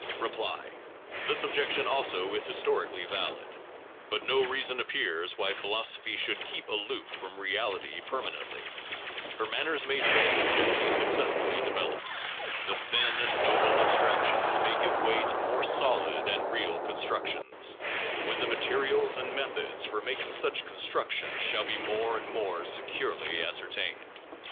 Reply. This objection also is historically valid, but no reason appears why philosophy Nor is it should keep aloof from reality per divorced , i TT i from manently. Her manners may change reality as S ^ Q successfully develops. The thin and noble abstractions may give way to 26 PHILOSOPHY AND ITS CRITICS more solid and real constructions, when the materials and methods for making such con structions shall be more and more securely ascertained.